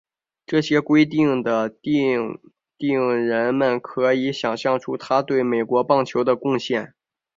由这些规则的订定人们可以想像出他对美国棒球的贡献。